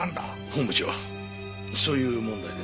本部長そういう問題では。